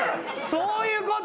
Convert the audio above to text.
そういうこと？